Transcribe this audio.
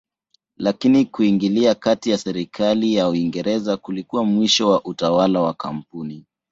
Lakini kuingilia kati kwa serikali ya Uingereza kulikuwa mwisho wa utawala wa kampuni.